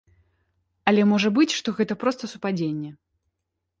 Але можа быць, што гэта проста супадзенне.